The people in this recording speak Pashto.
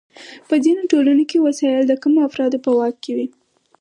په ځینو ټولنو کې وسایل د کمو افرادو په واک کې وي.